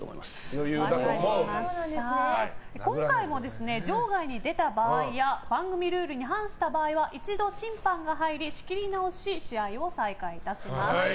今回も場外に出た場合や番組ルールに反した場合は一度、審判が入り仕切り直し試合を再開いたします。